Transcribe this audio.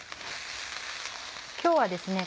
今日はですね